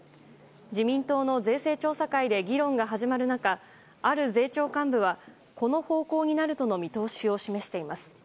自民党の税制調査会で議論が始まる中ある税調幹部は、この方向になるとの見通しを示しています。